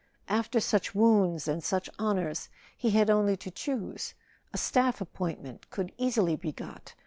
After such wounds and such honours he had only to choose; a staff ap pointment could easily be got.